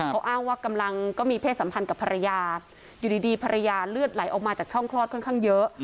เขาอ้างว่ากำลังก็มีเพศสัมพันธ์กับภรรยาอยู่ดีภรรยาเลือดไหลออกมาจากช่องคลอดค่อนข้างเยอะ